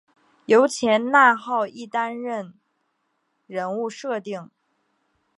由前纳浩一担任人物设定。